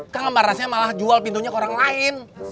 kang barnasnya malah jual pintunya ke orang lain